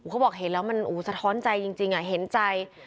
เขาบอกเห็นแล้วมันสะท้อนใจจริงเห็นใจ